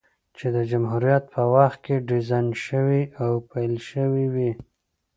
چې د جمهوريت په وخت کې ډيزاين شوې او پېل شوې وې،